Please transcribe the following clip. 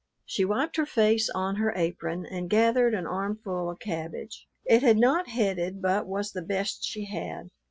She wiped her face on her apron, and gathered an armful of cabbage; it had not headed but was the best she had.